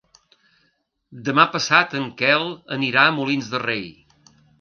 Demà passat en Quel anirà a Molins de Rei.